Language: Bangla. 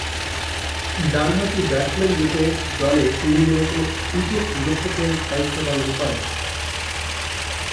ডানহাতি ব্যাটসম্যানরূপে দলে তিনি মূলতঃ উইকেট-রক্ষকের দায়িত্ব পালন করেন।